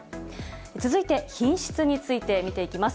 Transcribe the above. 続いて品質について見ていきます。